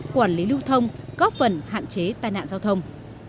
quản lý lưu thông góp phần hạn chế tai nạn giao thông